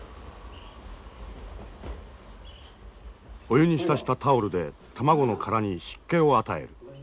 お湯に浸したタオルで卵の殻に湿気を与える。